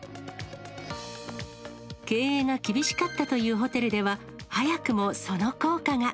経営が厳しかったというホテルでは、早くもその効果が。